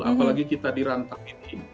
apalagi kita dirantang ini